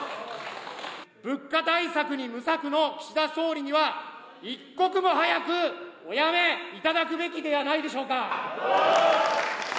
物価対策に無策の岸田総理には、一刻も早くお辞めいただくべきではないでしょうか。